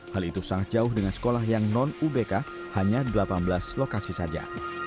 hal itu sangat jauh dengan sekolah yang non ubk hanya delapan belas lokasi saja